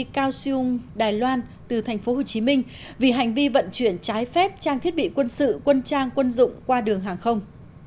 cao siêu đài loan từ tp hcm vì hành vi vận chuyển trái phép trang thiết bị quân sự quân trang quân dụng qua đường hàng không